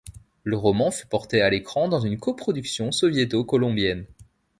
Le roman fut porté à l'écran dans une coproduction soviéto-colombienne.